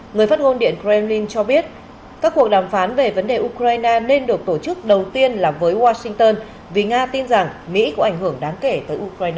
người phát ngôn điện kremlin cho biết các cuộc đàm phán về vấn đề ukraine nên được tổ chức đầu tiên là với washington vì nga tin rằng mỹ cũng ảnh hưởng đáng kể tới ukraine